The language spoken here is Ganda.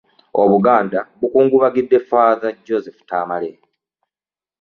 Obuganda bukungubagidde ffaaza Joseph Tamale